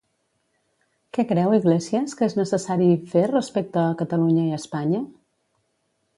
Què creu Iglesias que és necessari fer respecte a Catalunya i Espanya?